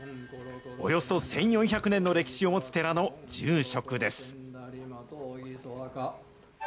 およそ１４００年の歴史を持つ寺の住職です。